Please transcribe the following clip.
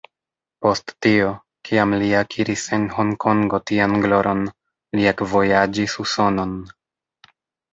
Post tio, kiam li akiris en Honkongo tian gloron, li ekvojaĝis Usonon.